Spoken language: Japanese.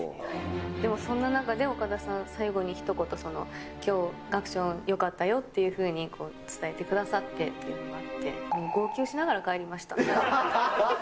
でもそんな中で岡田さん、最後にひと言、きょう、アクションよかったよっていうふうに伝えてくださってっていうのがあって、号泣しながら帰りました。